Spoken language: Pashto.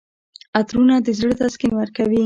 عطرونه د زړه تسکین ورکوي.